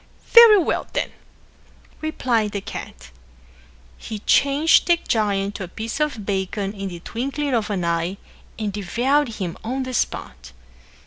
"Very well, then," replied the cat. He changed the giant to a piece of bacon in the twinkling of an eye and devoured him on the spot.